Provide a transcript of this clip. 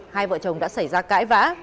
hai vợ chồng đã xảy ra cãi